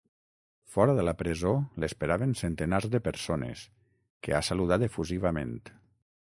Fora de la presó, l’esperaven centenars de persones, que ha saludat efusivament.